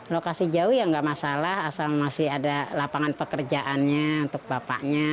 lokasi jauh ya nggak masalah asal masih ada lapangan pekerjaannya untuk bapaknya